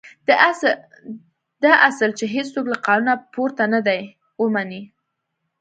دا اصل چې هېڅوک له قانونه پورته نه دی ومني.